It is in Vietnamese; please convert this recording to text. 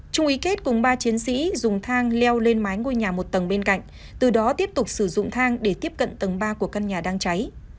trung ý kết cùng ba chiến sĩ dùng thang leo lên mái ngôi nhà một tầng bên cạnh từ đó tiếp tục sử dụng thang để tiếp cận tầng ba của căn nhà đang cháy